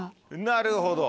なるほど。